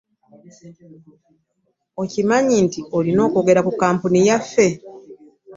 Okimanyi nti tolina kyogata ku kampuni yaffe.